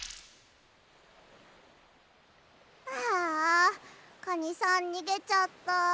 ああカニさんにげちゃった。